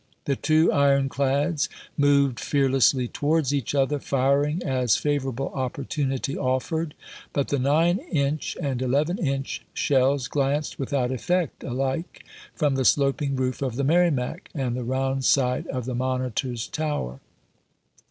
The two ironclads moved fearlessly towards each other, firing as favorable opportunity offered. But the nine inch and eleven inch shells glanced without effect alike from the sloping roof of the Merrimac and the round side of the Monitor\s tower.